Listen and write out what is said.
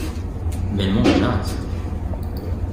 Mais le monde jase.